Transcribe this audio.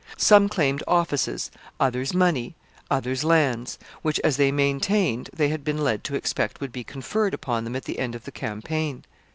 Some claimed offices, others money others lands, which, as they maintained, they had been led to expect would be conferred upon them at the end of the campaign.